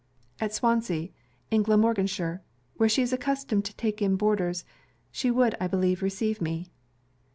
'At Swansea in Glamorganshire; where she is accustomed to take in boarders. She would, I believe, receive me.'